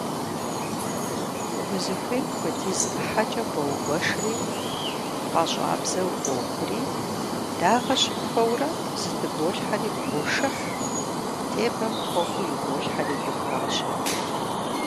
Узыхуейм хуэдиз ӏыхьэкӏэ боугуэшри пӏащӏабзэу бохури, дагъэ щыпхуэурэ зэтыболхьэри бошыхь, тебэм хуэфӏу иболъхьэри богъажьэ.